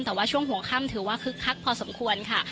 แต่ว่าช่วงหัวค่ำถือว่าคึกคักพอสมควรค่ะ